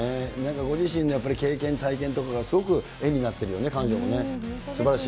ご自身の経験、体験とかが、すごく絵になってるよね、彼女のね。